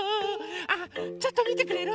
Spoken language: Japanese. あちょっとみてくれる？